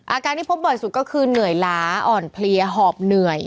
อาการที่พบบ่อยสุดก็คือเหนื่อยล้าอ่อนเพลียหอบเหนื่อย